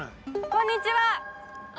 こんにちは。